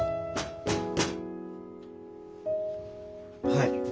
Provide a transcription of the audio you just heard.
はい。